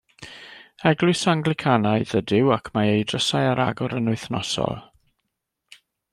Eglwys Anglicanaidd ydyw ac mae ei drysau ar agor yn wythnosol.